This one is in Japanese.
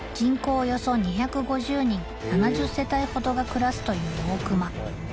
およそ２５０人７０世帯ほどが暮らすという大隈